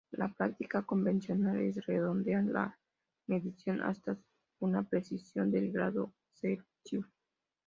La práctica convencional es redondear la medición hasta una precisión del grado Celsius.